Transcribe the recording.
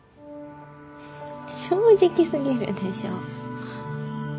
正直すぎるでしょ。